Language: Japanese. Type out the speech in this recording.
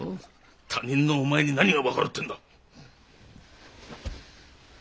他人のお前に何が分かるってんだ！